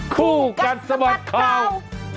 คู่กันสมัครคราว